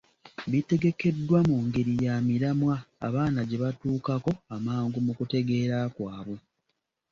Bitegekeddwa mu ngeri ya miramwa abaana gye batuukako amangu mu kutegeera kwabwe.